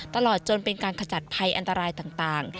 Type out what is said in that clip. ตลอดจนเป็นการขจัดภัยอันตรายต่าง